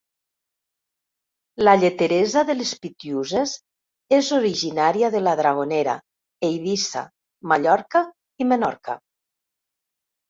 La lleteresa de les Pitiüses és originària de la Dragonera, Eivissa, Mallorca i Menorca.